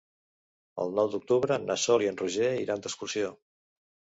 El nou d'octubre na Sol i en Roger iran d'excursió.